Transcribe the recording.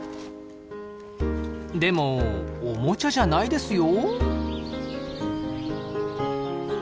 でもおもちゃじゃないですよ？